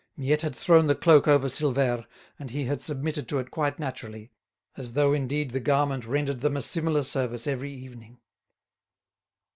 Miette had thrown the cloak over Silvère, and he had submitted to it quite naturally, as though indeed the garment rendered them a similar service every evening.